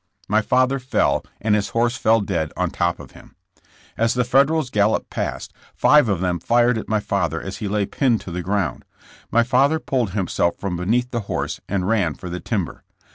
My father fell and his horse fell dead on top of him. As the Federals galloped past, five of them fired at my father as he lay pinned to the ground. My father pulled himself from beneath the horse and ran for the timber.